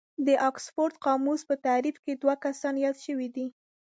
د اکسفورډ قاموس په تعريف کې دوه کسان ياد شوي دي.